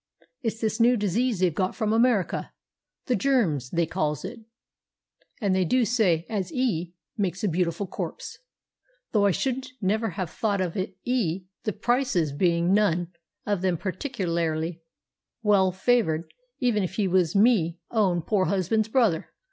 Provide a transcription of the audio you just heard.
It's this new disease they've got from America—the 'germs,' they calls it—and they do say as 'e makes a beautiful corpse, though I shouldn't never have thought it of 'e, the Prices being none of them pertickerlelly well favoured, even if he was me own pore husband's brother.